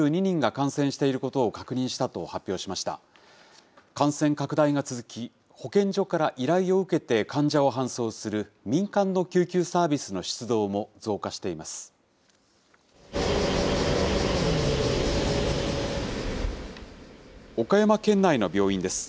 感染拡大が続き、保健所から依頼を受けて患者を搬送する民間の救急サービスの出動も増加しています。